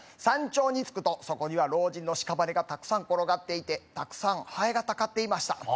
山頂に着くとそこには老人のしかばねがたくさん転がっていてたくさんハエがたかっていました